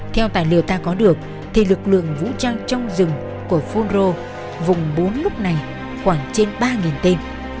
theo tài liệu ta có được thì lực lượng vũ trang trong rừng của phunro vùng bốn lúc này khoảng trên ba tỉnh